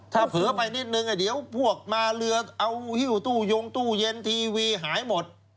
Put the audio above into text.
ถ้าเผลอไปนิดนึงเดี๋ยวพวกมาเรือเอาหิ้วตู้ยงตู้เย็นทีวีหายหมด